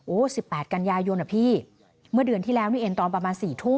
โอ้สิบแปดกันยายนอะพี่เมื่อเดือนที่แล้วเนี่ยเอ็นตอนประมาณสี่ทุ่ม